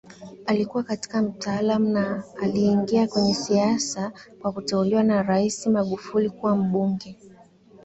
alitumika kama mtaalamu na aliingia kwenye siasa kwa kuteuliwa na Rais Magufuli kuwa mbunge